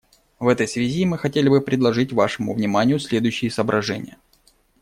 В этой связи мы хотели бы предложить вашему вниманию следующие соображения.